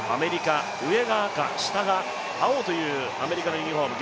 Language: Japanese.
上が赤、下が青というアメリカのユニフォーム。